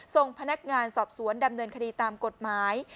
ส่งพนักงานสอบสวนดำเนินคดีตามกฎหมาย